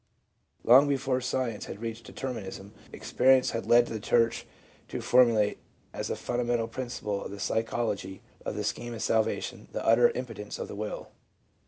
Long before science had reached determinism, experience had led the church to formu late as a fundamental principle of the psychology of the scheme of salvation the utter impotency of the will.